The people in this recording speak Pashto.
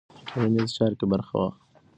په ټولنیزو چارو کې برخه واخلئ.